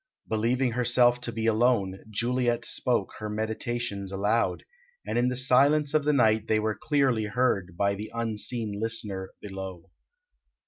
Believing herself to be alone, Juliet spoke her meditations aloud, and in the silence of the night they were clearly heard by the unseen listener below.